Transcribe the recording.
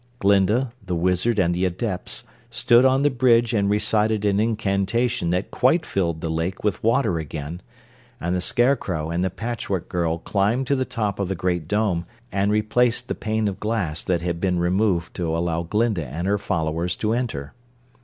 Glinda, the Wizard and the Adepts stood on the bridge and recited an incantation that quite filled the lake with water again, and the Scarecrow and the Patchwork Girl climbed to the top of the Great Dome and replaced the pane of glass that had been removed to allow Glinda and her followers to enter.